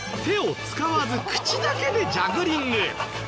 手を使わず口だけでジャグリング。